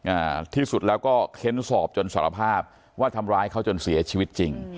อ่าที่สุดแล้วก็เค้นสอบจนสารภาพว่าทำร้ายเขาจนเสียชีวิตจริง